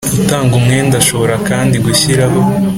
Utanga umwenda ashobora kandi gushyiraho